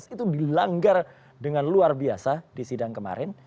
itu dilanggar dengan luar biasa di sidang kemarin